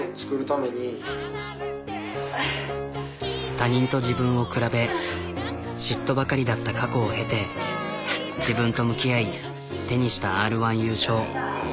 他人と自分を比べ嫉妬ばかりだった過去を経て自分と向き合い手にしたＲ−１優勝。